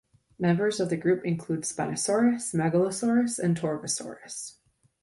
Members of the group include "Spinosaurus", "Megalosaurus", and "Torvosaurus".